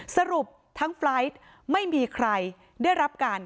สรุปทั้งไฟล์ทไม่มีใครได้รับการ